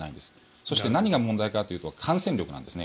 そして、何が問題かというと感染力なんですね。